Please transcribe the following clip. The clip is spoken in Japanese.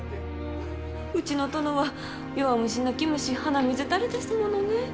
うちの殿は弱虫泣き虫鼻水垂れですものね。